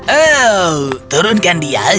oh turunkan dia